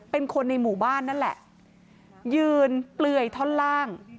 เป็นคนในหมู่บ้านนั่นแหละยืนเปลือยท่อนล่าง